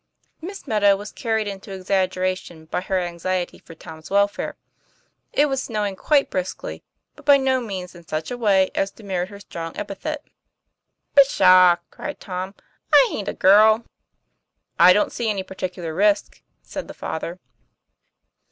Miss Meadow was carried into exaggeration by her anxiety for Tom's welfare. It was snowing quite briskly, but by no means in such a way as to merit her strong epithet. "Pshaw!" cried Tom, "I ain't a girl." 'I don't see any particular risk," said the father.